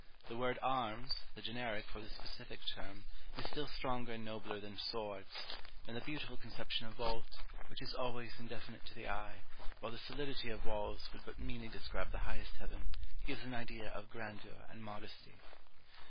The word arms, the generic for the specific term, is still stronger and nobler than swords; and the beautiful conception of vault, which is always indefinite to the eye, while the solidity of walls would but meanly describe the highest Heaven, gives an idea of grandeur and modesty.